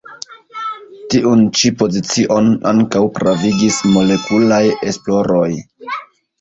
Tiun ĉi pozicion ankaŭ pravigis molekulaj esploroj.